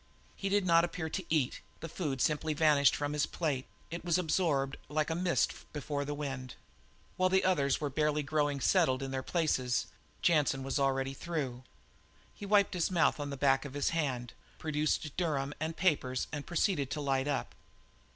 He did not appear to eat; the food simply vanished from the plate; it was absorbed like a mist before the wind. While the others were barely growing settled in their places, Jansen was already through. He wiped his mouth on the back of his hand, produced Durham and papers, and proceeded to light up.